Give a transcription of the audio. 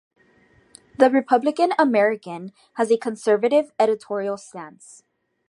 The "Republican-American" has a conservative editorial stance.